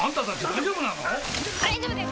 大丈夫です